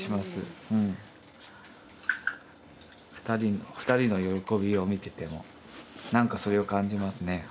２人の２人の喜びを見ててもなんかそれを感じますね。